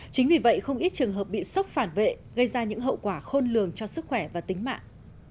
chính vì vậy không ít trường hợp bị sốc phản vệ gây ra những hậu quả khôn lường cho sức khỏe và tính mạng